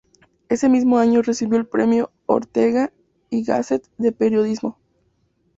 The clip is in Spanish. Ese mismo año recibió el premio Ortega y Gasset de Periodismo.